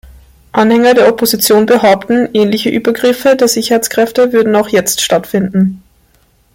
Anhänger der Opposition behaupten, ähnliche Übergriffe der Sicherheitskräfte würden auch jetzt stattfinden.